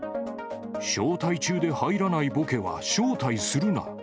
招待中で入らないぼけは招待するな。